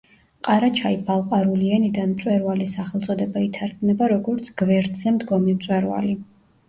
ყარაჩაი-ბალყარული ენიდან მწვერვალის სახელწოდება ითარგმნება როგორც „გვერდზე მდგომი მწვერვალი“.